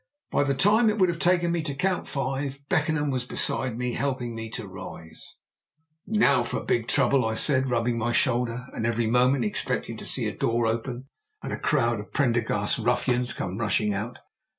By the time it would have taken me to count five, Beckenham was beside me helping me to rise. "Now stand by for big trouble!" I said, rubbing my shoulder, and every moment expecting to see a door open and a crowd of Prendergast's ruffians come rushing out.